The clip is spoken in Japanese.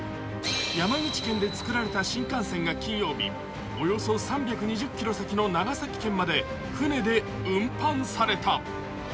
山口県で造られた新幹線が金曜日およそ３２０ｋｍ先の長崎県まで船で運搬された。